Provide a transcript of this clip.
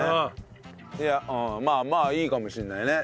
いやうんまあまあいいかもしれないね。